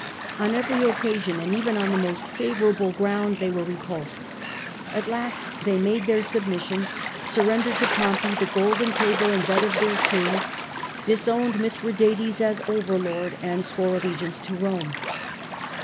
On every occasion, and even on the most favourable ground, they were repulsed. At last they made their submission, surx'endered to Pompey the golden table and bed of their king, disowned B 258 POMPEY Mithradates as overlord, aad swore allegiance to Eome.